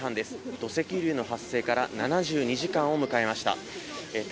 土石流の発生から７２時間を迎えました。